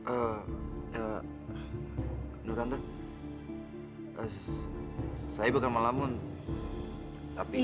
eh nur tante saya bukan mau lamun tapi